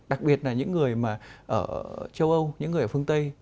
đặc biệt là những người mà ở châu âu những người ở phương tây